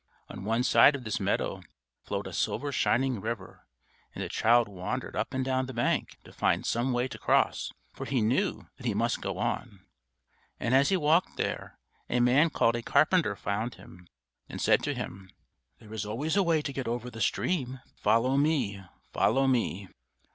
On one side of this meadow flowed a silver shining river, and the child wandered up and down the bank to find some way to cross, for he knew that he must go on. As he walked there, a man called a carpenter found him, and said to him: "There is always a way to get over the stream. Follow me! follow me!"